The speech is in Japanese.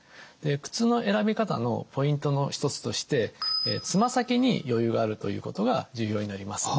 靴の選び方のポイントの一つとしてつま先に余裕があるということが重要になります。